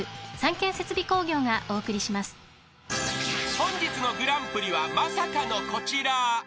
［本日のグランプリはまさかのこちら］